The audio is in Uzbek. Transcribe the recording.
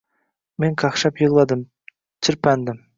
Men qaqshab yigʻladim, chirpandim